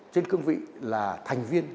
trên cương vị là thành viên